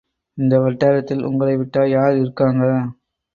இந்த வட்டாரத்தில் உங்களை விட்டா யார் இருக்காங்க?